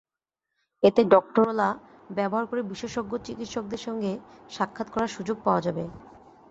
এতে ডক্টরোলা ব্যবহার করে বিশেষজ্ঞ চিকিৎসকদের সঙ্গে সাক্ষাৎ করার সুযোগ পাওয়া যাবে।